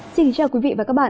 xin chào quý vị và các bạn